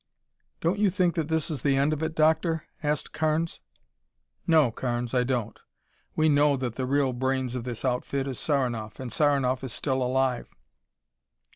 "Don't you think that this is the end of it, Doctor?" asked Carnes. "No, Carnes, I don't. We know that the real brains of this outfit is Saranoff, and Saranoff is still alive.